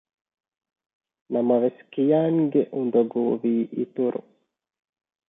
ނަމަވެސް ކިޔާންގެ އުނދަގޫ ވީ އިތުރު